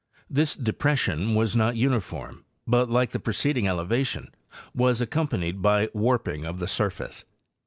This de pression was not uniform, but lke the preceding elevation was accompanied. by warping of the surface.